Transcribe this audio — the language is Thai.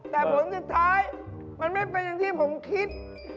แต่ผลสุดท้ายมันไม่เป็นอย่างที่ผมคิด